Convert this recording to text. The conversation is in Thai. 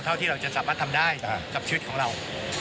เท่าที่เราจะสามารถทำได้กับชีวิตของเรา